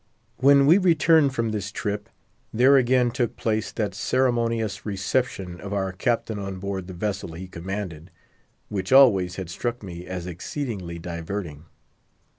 When we returned from this trip, there again took place that ceremonious reception of our captain on board the vessel he commanded, which always had struck me as exceedingly diverting.